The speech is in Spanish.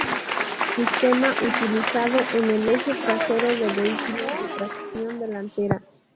Sistema utilizado en el eje trasero de vehículos de tracción delantera.